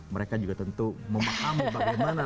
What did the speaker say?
mereka juga tentu memahami bagaimana